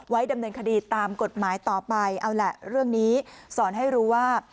ดำเนินคดีตามกฎหมายต่อไปเอาแหละเรื่องนี้สอนให้รู้ว่า